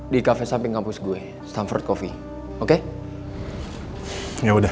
di kafe samping kampus gue stamford coffee oke ini udah